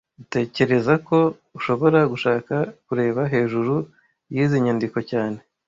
Dutekereza ko ushobora gushaka kureba hejuru yizi nyandiko cyane